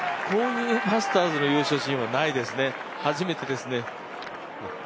こういうマスターズの優勝シーンはないですね、初めてですね